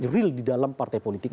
real di dalam partai politik